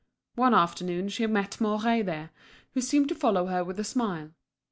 One afternoon she met Mouret there, who seemed to follow her with a smile.